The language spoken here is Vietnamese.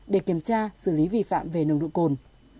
để kiểm tra xử lý vi phạm về nồng độ cồn